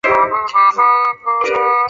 富宁薹草是莎草科薹草属的植物。